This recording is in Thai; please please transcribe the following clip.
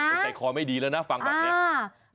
สายคอไม่ดีแล้วนะฟังบรรเทศ